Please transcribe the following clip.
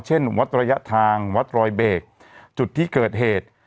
เช่นวัดระยะทางวัดรอยเบรกจุดที่เกิดเหตุ